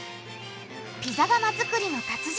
ピザ窯作りの達人